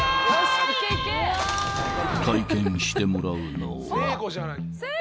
［体験してもらうのは］